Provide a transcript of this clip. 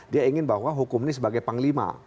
dia ingin bahwa hukum ini sebagai panglima